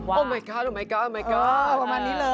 โอ้มายก๊อดโอ้มายก๊อดโอ้มายก๊อดโอ้มายก็อด